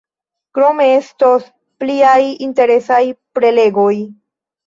Krome estos pliaj interesaj prelegoj.